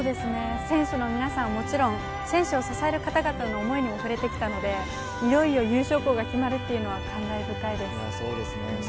選手の皆さんはもちろん、選手を支える方々の想いも触れてきたので、いよいよ優勝校が決まるというのは感慨深いです。